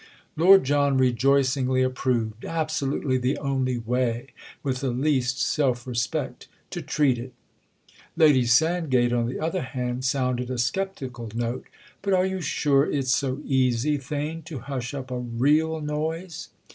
Lord John rejoicingly approved. "Absolutely the only way—with the least self respect—to treat it!" Lady Sandgate, on the other hand, sounded a sceptical note. "But are you sure it's so easy, Theign, to hush up a real noise?"